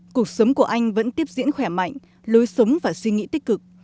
cuộc sống của anh vẫn tiếp diễn khỏe mạnh lối sống và suy nghĩ tích cực